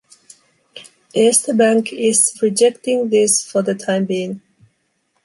Erste Bank is rejecting this for the time being.